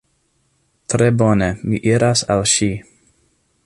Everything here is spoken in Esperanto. Tre bone, mi iras al ŝi.